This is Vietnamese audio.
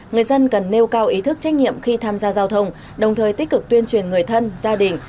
người dân cần nêu cao ý thức trách nhiệm khi tham gia giao thông đồng thời tích cực tuyên truyền người thân gia đình